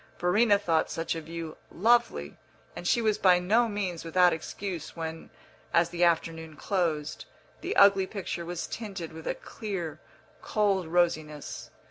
Verena thought such a view lovely, and she was by no means without excuse when, as the afternoon closed, the ugly picture was tinted with a clear, cold rosiness.